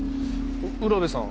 占部さん